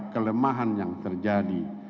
kelemahan yang terjadi